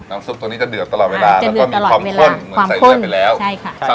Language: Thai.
ซุปตัวนี้จะเดือดตลอดเวลาแล้วก็มีความข้นเหมือนใส่เลือดไปแล้วใช่ค่ะ